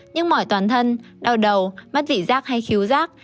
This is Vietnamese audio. những mỏi toàn thân đau đầu mất vị giác hay khiếu giác